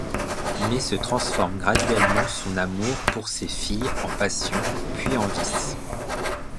Mais ce transforme graduellement son amour pour ses filles en passion, puis en vice.